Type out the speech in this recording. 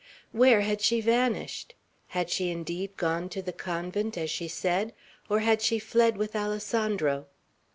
Where had she vanished? Had she indeed gone to the convent, as she said, or had she fled with Alessandro?